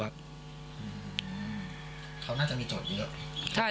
เขาน่าจะมีโจทย์เยอะ